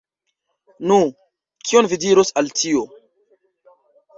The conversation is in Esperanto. Nu, kion vi diros al tio?